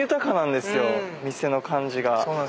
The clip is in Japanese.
店の感じが。